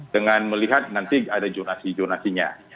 dengan melihat nanti ada zonasi zonasinya